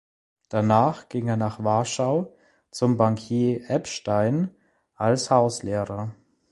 Danach ging er nach Warschau zum Bankier Epstein als Hauslehrer.